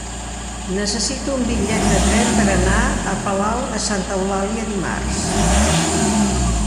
Necessito un bitllet de tren per anar a Palau de Santa Eulàlia dimarts.